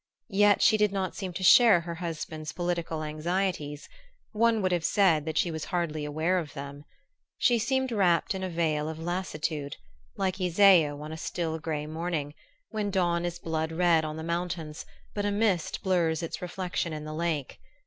Yet she did not seem to share her husband's political anxieties; one would have said that she was hardly aware of them. She seemed wrapped in a veil of lassitude, like Iseo on a still gray morning, when dawn is blood red on the mountains but a mist blurs its reflection in the lake.